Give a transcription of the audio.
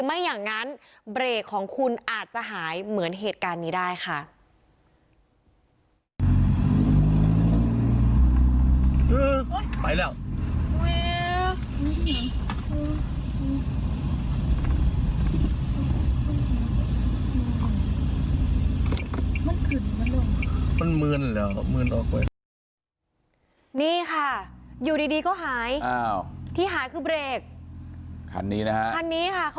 ไม่อย่างนั้นเบรกของคุณอาจจะหายเหมือนเหตุการณ์นี้ได้ค่ะ